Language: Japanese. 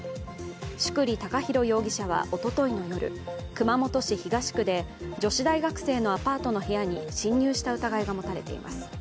宿利貴宏容疑者はおとといの夜、熊本市東区で、女子大学生のアパートの部屋に侵入した疑いが持たれています。